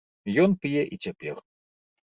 Ён п'е і цяпер.